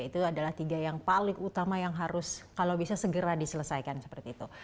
itu adalah tiga yang paling utama yang harus kalau bisa segera diselesaikan seperti itu